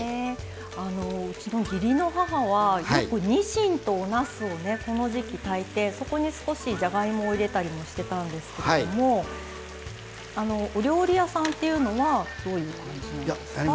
うちの義理の母はよくニシンとおなすを、この時季炊いてそこに、じゃがいもを入れたりしてたんですけどお料理屋さんっていうのはどういう感じなんですか？